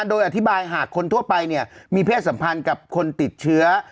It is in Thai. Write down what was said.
โดยอธิบายหากคนทั่วไปเนี่ยมีเพศสัมพันธ์กับคนติดเชื้อ